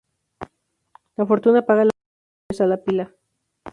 La fortuna paga la promesa y besa la pila.